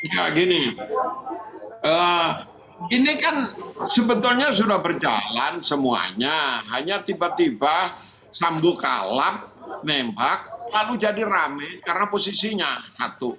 ya gini ini kan sebetulnya sudah berjalan semuanya hanya tiba tiba sambu kalap nembak lalu jadi rame karena posisinya satu